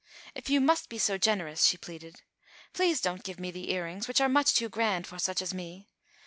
"If you must be so generous," she pleaded, "please don't give me the ear rings, which are much too grand for such as me.